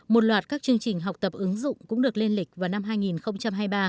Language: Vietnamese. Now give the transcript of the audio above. một loạt các chương trình học tập ứng dụng cũng được lên lịch vào năm hai nghìn hai mươi ba